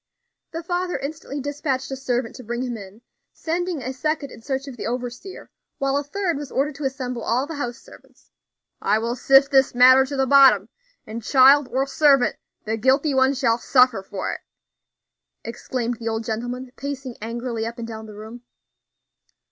The father instantly despatched a servant to bring him in; sending a second in search of the overseer; while a third was ordered to assemble all the house servants. "I will sift this matter to the bottom, and child or servant, the guilty one shall suffer for it," exclaimed the old gentleman, pacing angrily up and down the room.